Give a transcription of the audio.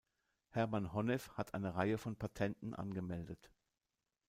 Hermann Honnef hat eine Reihe von Patenten angemeldet.